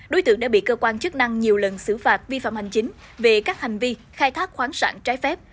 đối tượng đã bị cơ quan chức năng nhiều lần xử phạt vi phạm hành chính về các hành vi khai thác khoáng sản trái phép